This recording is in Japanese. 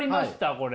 これ。